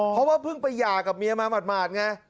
เพราะว่าเพิ่งไปหย่ากับเมียมาหมาดไง